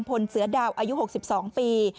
พลเสือดาวอายุ๖๒ปี